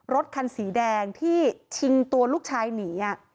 รถคันสีแดงที่ชิงตัวลูกชายหนี